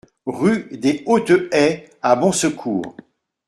Rue des Hautes Haies à Bonsecours